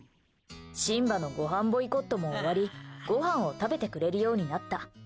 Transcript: シンバのごはんボイコットも終わりごはんを食べてくれるようになった。